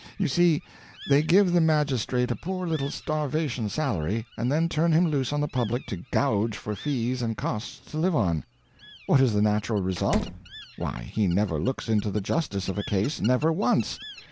You see, they give the magistrate a poor little starvation salary, and then turn him loose on the public to gouge for fees and costs to live on. What is the natural result? Why, he never looks into the justice of a case never once.